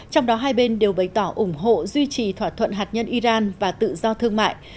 trong đó hai bên đều bày tỏ ủng hộ duy trì thỏa thuận hạt nhân iran và tự do thương mại